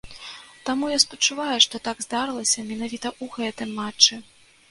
Таму я спачуваю, што так здарылася менавіта ў гэтым матчы.